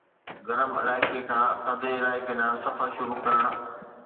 گرم علائقي کان ٿڌي علائقي ڏانهن سفر شروع ڪرڻ